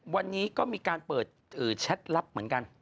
วันนี้ก็มีการเปิดแชทลับเหมือนกัน